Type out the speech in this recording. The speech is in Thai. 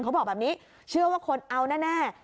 เขาบอกแบบนี้เชื่อว่าคนเอาแน่